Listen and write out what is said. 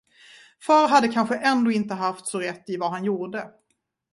Far hade kanske ändå inte haft så rätt i vad han gjorde.